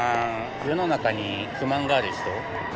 世の中に不満がある人？